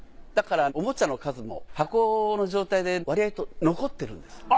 だからおもちゃの数も箱の状態で割合と残ってるんです。